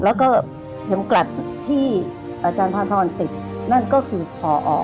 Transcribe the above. แล้วก็ยำกลัดที่อาจารย์ท่านท่อนติดนั่นก็คือพอ